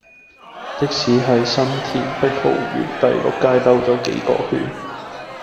的士喺新田碧豪苑第六街兜左幾個圈